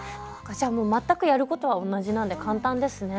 じゃあもう全くやることは同じなんで簡単ですね。